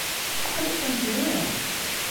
Aql-ikent din?